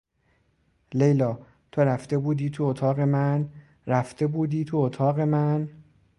لیلا، تو رفته بودی تو اتاق من؟ رفته بودی تو اتاق من؟